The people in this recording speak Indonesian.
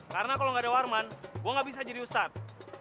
karena kalau nggak ada warman gue nggak bisa jadi ustadz